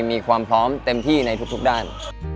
มีความพร้อมเต็มที่ในทุกด้าน